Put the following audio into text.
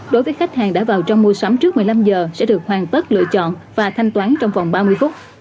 đối với khách hàng đã vào trong mua sắm trước một mươi năm giờ sẽ được hoàn tất lựa chọn và thanh toán trong vòng ba mươi phút